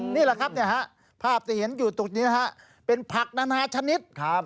นี่แหละครับภาพที่เห็นอยู่ตรงนี้นะฮะเป็นผักนานาชนิดครับ